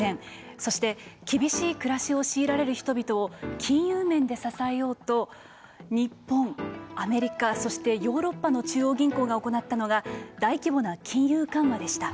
そして、厳しい暮らしを強いられる人々を金融面で支えようと、日本、アメリカそしてヨーロッパの中央銀行が行ったのが大規模な金融緩和でした。